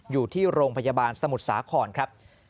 อยู่ที่โรงพยาบาลสมุทรสาครครับ